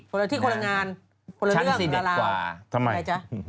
คนละที่คนละงานคนละเรื่องละราวฉันสิเด็กกว่าทำไมจ๊ะ